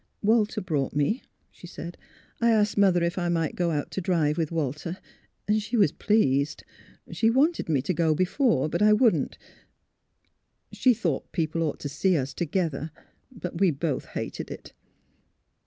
"Walter brought me," she said. "I asked Mother if I might go out to drive with Walter, and she was pleased. She wanted me to go be fore; but I wouldn't. She thought people ought to see us together. But we both hated it.